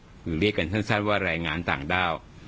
หรือเรียกกันสั้นว่าแรงงานต่างด้าว